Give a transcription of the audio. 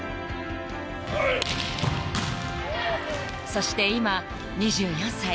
［そして今２４歳］